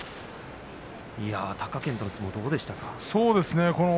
貴健斗の相撲どうでしたか？